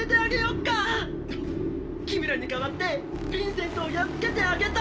っ⁉君らに代わってビンセントをやっつけてあげた！